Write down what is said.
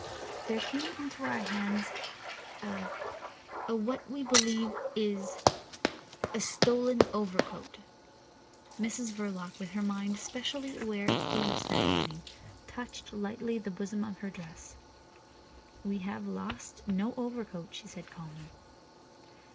There came into our hands a—a—what we believe is—a stolen overcoat." Mrs Verloc, with her mind specially aware of thieves that evening, touched lightly the bosom of her dress. "We have lost no overcoat," she said calmly.